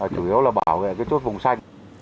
chủ yếu là bảo vệ cái chốt vùng xanh